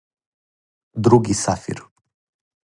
други сафир